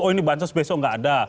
oh ini bansos besok nggak ada